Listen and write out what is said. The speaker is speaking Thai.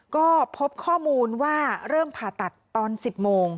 ก็พบข้อมูลว่าเริ่มผ่าตัดตอน๑๐โมง